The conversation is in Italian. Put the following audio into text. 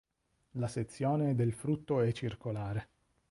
La sezione del frutto è circolare.